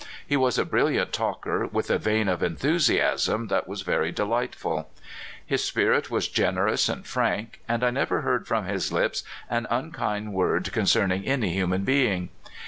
He was a brilliant talker, with a vein of enthusiasm that was very delightful. His spirit was generous and frank, and I never heard from his lips an unkind word concerning any human being.